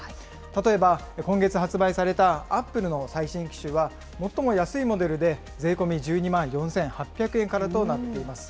例えば、今月発売されたアップルの最新機種は、最も安いモデルで税込み１２万４８００円からとなっています。